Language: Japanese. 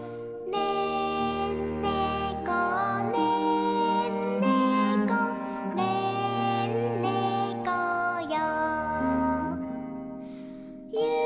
「ねんねこねんねこねんねこよ」